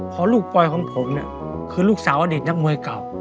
เพราะลูกปล่อยของผมเนี่ยคือลูกสาวอดีตนักมวยเก่า